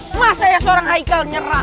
masa ya seorang haikal nyerah